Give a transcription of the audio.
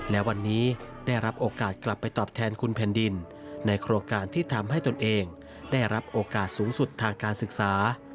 และวันนี้ได้รับโอกาสกลับไปตอบแทนคุณแผ่นดินในโครงการที่ทำให้ตนเองได้รับโอกาสสูงสุดทางการศึกษา